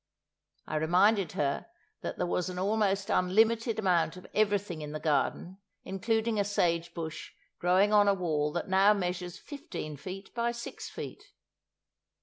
I reminded her that there was an almost unlimited amount of everything in the garden, including a sage bush growing on a wall that now measures 15 feet by 6 feet.